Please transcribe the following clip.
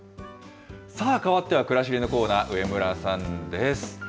さあ、かわっては、くらしりのコーナー、上村さんです。